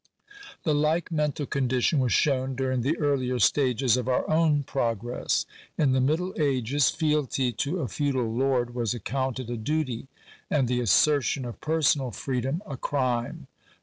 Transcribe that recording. The like mental condition was shown during the earlier stages of our own pro gress. In the middle ages fealty to a feudal lord was accounted a duty, and the assertion of personal freedom a crime.